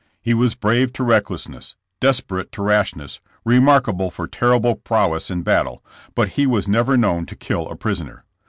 He was brave to recklessness, desperate to rashness, re markable for terrible prowess in battle; but he was never known to kill a prisoner.